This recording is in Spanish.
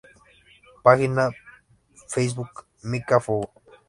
Página Facebook: "Mika Fogo"